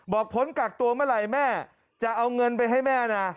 พ้นกักตัวเมื่อไหร่แม่จะเอาเงินไปให้แม่นะ